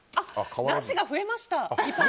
なしが増えました。